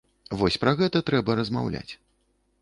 Вось пра гэта трэба размаўляць.